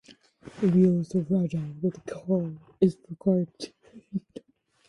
The wheel is so fragile that care is required in topping.